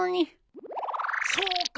そうか！